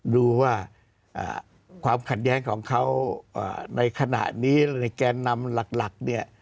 ดูว่าความขัดแย้งของเขาในขณะนี้การนำหลัก